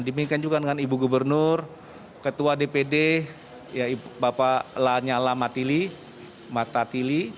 diminikan juga dengan ibu gubernur ketua dpd ya bapak lanyala matili mata tili